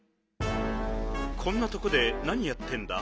こんなとこでなにやってんだ？